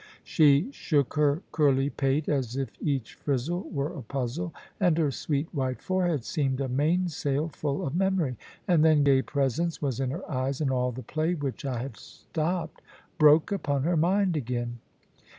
She shook her curly pate as if each frizzle were a puzzle; and her sweet white forehead seemed a mainsail full of memory; and then gay presence was in her eyes, and all the play which I had stopped broke upon her mind again.